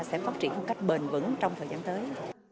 sẽ phát triển một cách bền vững trong thời gian tới